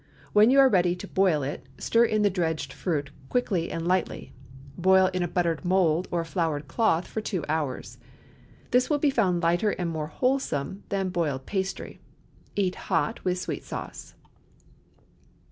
When you are ready to boil it, stir in the dredged fruit quickly and lightly. Boil in a buttered mould or a floured cloth for two hours. This will be found lighter and more wholesome than boiled pastry. Eat hot with sweet sauce.